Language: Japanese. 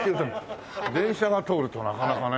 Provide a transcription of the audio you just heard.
電車が通るとなかなかね。